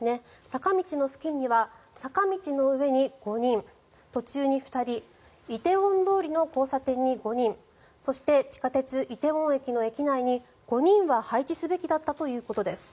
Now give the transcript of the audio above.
坂道の付近には坂道の上に５人途中に２人梨泰院通りの交差点に５人そして、地下鉄梨泰院駅の駅内に５人は配置すべきだったということです。